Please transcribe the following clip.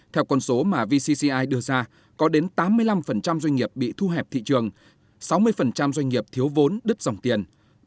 theo con số mà vcci đưa ra có đến tám mươi năm doanh nghiệp bị thu hẹp thị trường sáu mươi doanh nghiệp thiếu vốn đứt dòng tiền